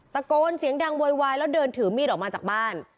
ตะโกนเสียงดังโวยวายแล้วเดินถือมีดออกมาจากบ้าน